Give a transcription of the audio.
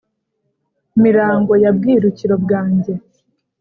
mirango ya bwirukiro bwange